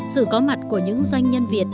sự có mặt của những doanh nhân việt